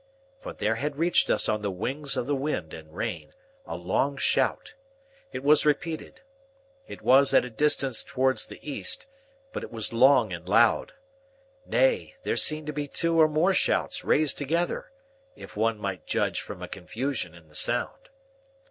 For there had reached us on the wings of the wind and rain, a long shout. It was repeated. It was at a distance towards the east, but it was long and loud. Nay, there seemed to be two or more shouts raised together,—if one might judge from a confusion in the sound.